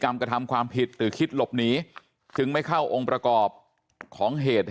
กระทำความผิดหรือคิดหลบหนีจึงไม่เข้าองค์ประกอบของเหตุ